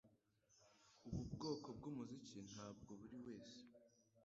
Ubu bwoko bwumuziki ntabwo buriwese.